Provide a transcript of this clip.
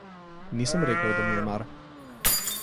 Nisem rekel, da mi je mar.